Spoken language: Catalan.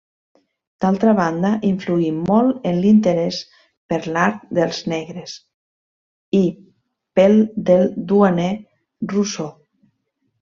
D'altra banda, influí molt en l'interès per l'art dels negres i pel del Duaner Rousseau.